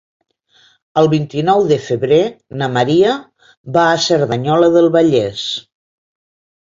El vint-i-nou de febrer na Maria va a Cerdanyola del Vallès.